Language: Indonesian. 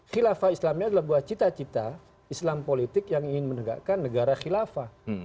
khilafah islamia adalah cita cita islam politik yang ingin menegakkan negara khilafah